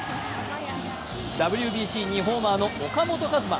ＷＢＣ・２ホーマーの岡本和真。